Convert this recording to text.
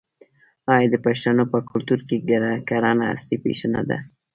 آیا د پښتنو په کلتور کې کرنه اصلي پیشه نه ده؟